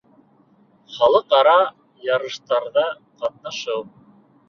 Халыҡ-ара ярыштарҙа ҡатнашыу